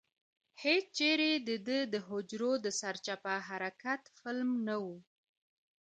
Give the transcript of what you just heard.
هېچېرې دده د حجرو د سرچپه حرکت فلم نه و.